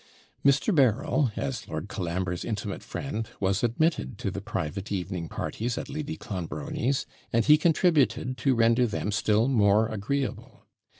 Mr. Berryl, as Lord Colambre's intimate friend, was admitted to the private evening parties at Lady Clonbrony's, and he contributed to render them still more agreeable.